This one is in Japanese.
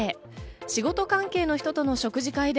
仕事関係の人との食事会で。